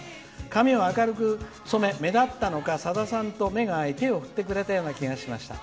髪を染めていて目立ったのかさださんと目が合い手を振ってくれたような気がしました。